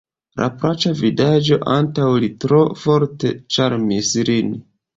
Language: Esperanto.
La plaĉa vidaĵo antaŭ li tro forte ĉarmis lin.